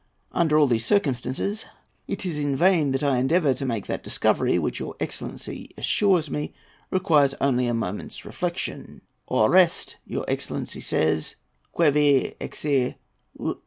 Under all these circumstances, it is in vain that I endeavour to make that discovery which your excellency assures me requires only a moment's reflection: "Au reste" (your excellency says), "que V'e. Ex'ce.